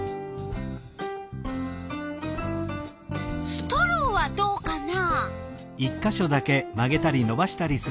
ストローはどうかな？